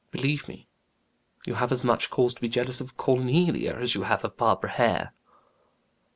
Believe me, you have as much cause to be jealous of Cornelia as you have of Barbara Hare."